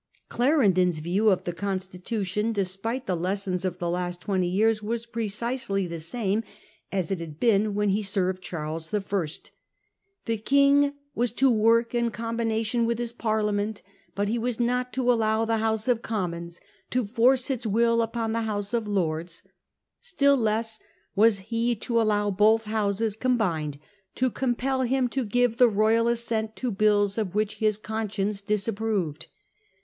Clarendon's view of the constitution, despite the lessons of the last twenty years, was precisely the same as it had been when he served Charles I. : 4 The King was to work in combination with his Parlia ment ; but he was not to allow the House of Commons to force its will upon the House of Lords ; still less was he to allow both Houses combined to compel him to give the royal assent to bills of which his conscience disapproved.